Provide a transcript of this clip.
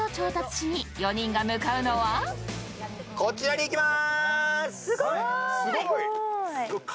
こちらに行きます！